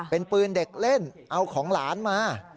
เป็นปืนเด็กเล่นเอาของหลานมา